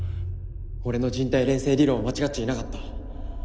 俺の人体錬成理論は間違っちゃいなかった